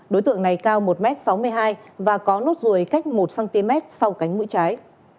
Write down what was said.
đối tượng này cao một m sáu mươi hai và có nốt ruồi cách một cm sau cánh mũi trái